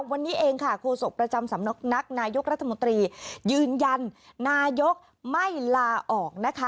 วันนี้เองค่ะโฆษกประจำสำนักนายกรัฐมนตรียืนยันนายกไม่ลาออกนะคะ